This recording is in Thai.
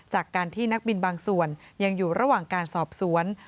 จากการที่นักบินบางส่วนยังอยู่ระหว่างการสอบสวน